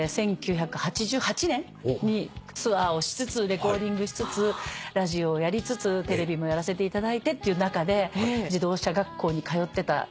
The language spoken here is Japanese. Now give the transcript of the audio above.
１９８８年にツアーをしつつレコーディングしつつラジオをやりつつテレビもやらせていただいてっていう中で自動車学校に通ってた時期がありまして。